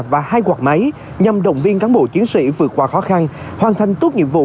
và hai quạt máy nhằm động viên cán bộ chiến sĩ vượt qua khó khăn hoàn thành tốt nhiệm vụ